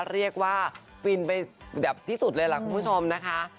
เรียกว่าฟินไปแบบที่สุดเลยล่ะคุณผู้ชมนะคะ